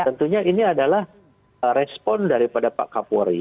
tentunya ini adalah respon daripada pak kapolri